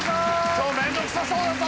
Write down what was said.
今日面倒くさそうだぞ！